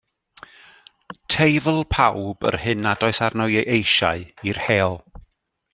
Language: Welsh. Teifl pawb yr hyn nad oes arno ei eisiau i'r heol.